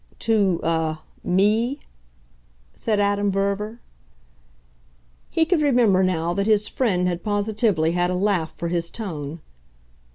"To a ME?" said Adam Verver. He could remember now that his friend had positively had a laugh for his tone.